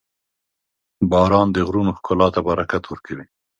• باران د غرونو ښکلا ته برکت ورکوي.